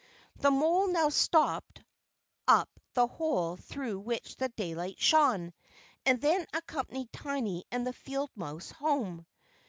The mole now stopped up the hole through which the daylight shone, and then accompanied Tiny and the field mouse home.